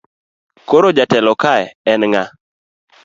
Koro jatelo ka en ng'a?